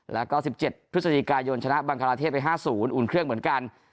แล้วก็๑๗พฤศจิกายนชนะบังคลาเทศไป๕๐อุ่นเครื่องเหมือนกัน